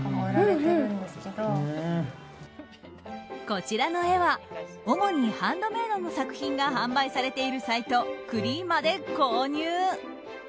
こちらの絵は主にハンドメイドの作品が販売されているサイトクリーマで購入。